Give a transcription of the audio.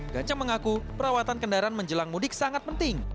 gajah mengaku perawatan kendaraan menjelang mudik sangat penting